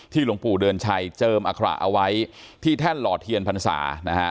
หลวงปู่เดือนชัยเจิมอัคระเอาไว้ที่แท่นหล่อเทียนพรรษานะฮะ